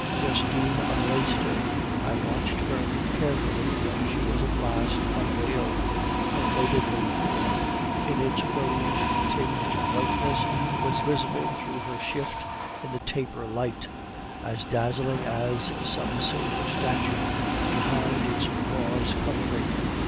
"Justine unlaced her. I watched her carefully when she was at last unveiled. Her maidenly form, in its rose tinged whiteness, was visible through her shift in the taper light, as dazzling as some silver statue behind its gauze covering.